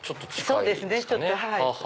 そうですねちょっと。